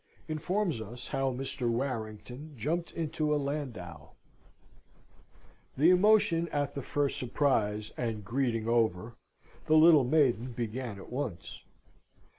Informs us how Mr. Warrington jumped into a Landau The emotion at the first surprise and greeting over, the little maiden began at once.